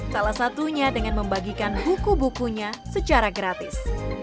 salah satunya dengan membagikan buku bukunya secara gratis